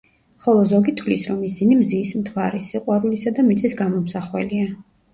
ხოლო ზოგი თვლის, რომ ისინი მზის, მთვარის, სიყვარულისა და მიწის გამომსახველია.